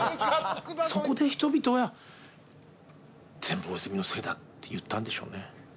そこで人々は「全部大泉のせいだ」って言ったんでしょうね。